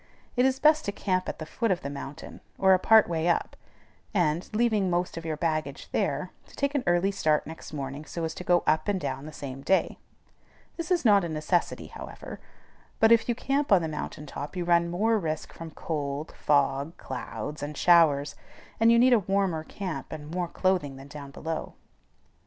It is best to camp at the foot of the mountain, or a part way up, and, leaving the most of your baggage there, to take an early start next morning so as to go up and down the same day. This is not a necessity, however; but if you camp on the mountain top you run more risk from cold, fog, (clouds), and showers, and you need a warmer camp and more clothing than down below.